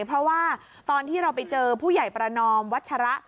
เพราะว่าตอนที่เราไปเจอผู้ใหญ่ประนอมวัชระ